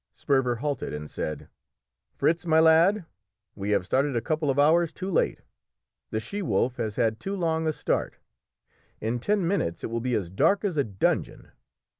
Sperver halted and said "Fritz, my lad, we have started a couple of hours too late. The she wolf has had too long a start. In ten minutes it will be as dark as a dungeon.